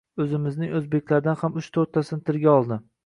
O‘zimizning o‘zbeklardan ham uch-to‘rttasini tilga oldi.